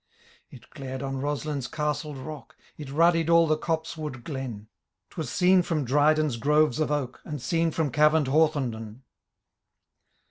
It glared on Roslin's castled rock. It ruddied^ aU the copse wood glen ; Twas seen from Dryden's groves of oak. And seen from cavemM Hawthomden.